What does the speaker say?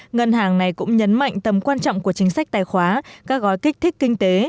ngân hàng này cũng nhấn mạnh tầm quan trọng của chính sách tài khoá các gói kích thích kinh tế